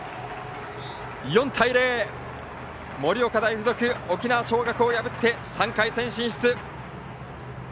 ４対０、盛岡大付属沖縄尚学を破って３回戦進出。